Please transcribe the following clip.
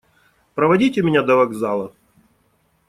Проводите меня до вокзала.